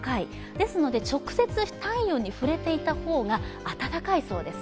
ですので直接体温に触れていた方が暖かいそうです。